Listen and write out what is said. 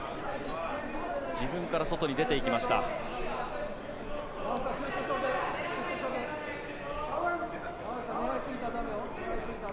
自分から外に出ていきました。